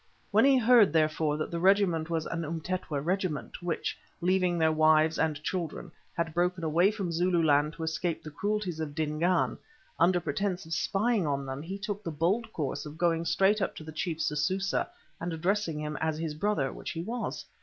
When he heard, therefore, that the regiment was an Umtetwa regiment, which, leaving their wives and children, had broken away from Zululand to escape the cruelties of Dingaan; under pretence of spying on them, he took the bold course of going straight up to the chief, Sususa, and addressing him as his brother, which he was.